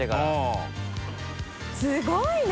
すごいな。